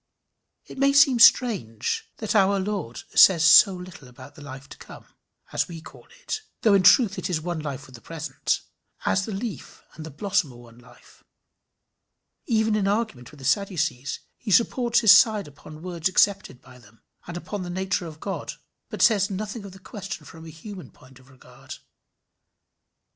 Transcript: It may seem strange that our Lord says so little about the life to come as we call it though in truth it is one life with the present as the leaf and the blossom are one life. Even in argument with the Sadducees he supports his side upon words accepted by them, and upon the nature of God, but says nothing of the question from a human point of regard.